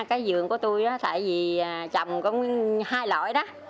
cái dường của tôi tại vì trồng có hai loại đó